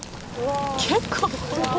「結構」